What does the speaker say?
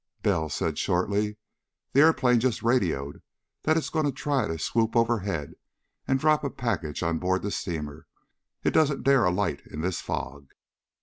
Bell said shortly: "The airplane just radioed that it's going to try to swoop overhead and drop a package on board the steamer. It doesn't dare alight in this fog."